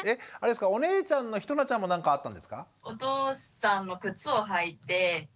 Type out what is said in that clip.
お姉ちゃんのひとなちゃんも何かあったんですか？